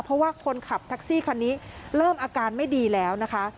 เพราะว่าคนขับแท็กซี่คันนี้เริ่มอาการไม่ดีแล้วนะคะ